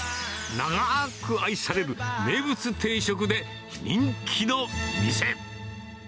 長ーく愛される名物定食で人気の店。